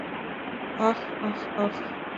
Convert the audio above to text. — Ах, ах, ах!